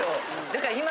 だから今。